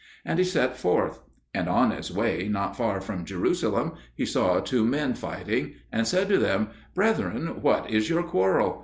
And he set forth. And on his way, not far from Jerusalem, he saw two men fighting, and said to them, "Brethren, what is your quarrel?"